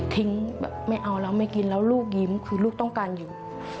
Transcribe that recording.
แบบไม่เอาแล้วไม่กินแล้วลูกยิ้มคือลูกต้องการอยู่